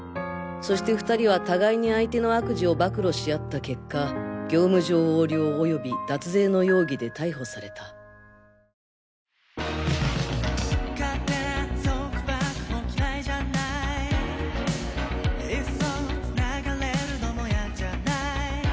そして２人は互いに相手の悪事を暴露し合った結果業務上横領及び脱税の容疑で逮捕されたえっ！？